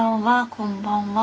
こんばんは。